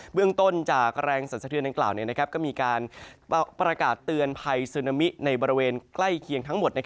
เรื่องต้นจากแรงสันสะเทือนดังกล่าวก็มีการประกาศเตือนภัยซึนามิในบริเวณใกล้เคียงทั้งหมด